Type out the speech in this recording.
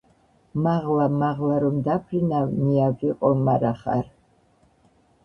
მაღლა მაღლა რომ დაფრინავ ნიავ ვიყო მარა ხარ